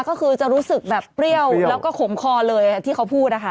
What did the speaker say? ก็คือจะรู้สึกแบบเปรี้ยวแล้วก็ขมคอเลยที่เขาพูดนะคะ